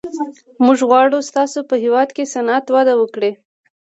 موږ غواړو ستاسو په هېواد کې صنعت وده وکړي